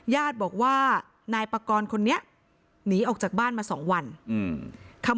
ญาติบอกว่านายปากรคนนี้หนีออกจากบ้านมา๒วัน